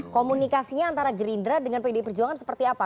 komunikasinya antara gerindra dengan pdi perjuangan seperti apa